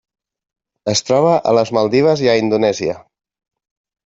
Es troba a les Maldives i a Indonèsia.